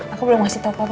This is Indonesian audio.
aku belum ngasih tau papa